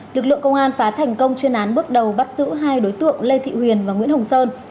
lực lượng công an phá thành công chuyên án bước đầu bắt giữ hai đối tượng lê thị huyền và nguyễn hồng sơn